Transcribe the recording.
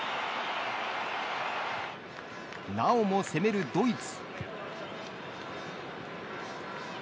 なおも攻めるドイツ。